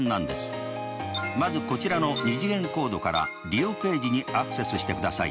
まずこちらの２次元コードから利用ページにアクセスしてください。